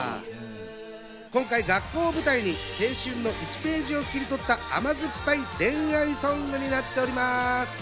今回、学校を舞台に青春の１ページを切り取った甘酸っぱい恋愛ソングになっております。